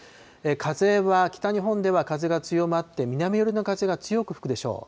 風は北日本では風が強まって、南寄りの風が強く吹くでしょう。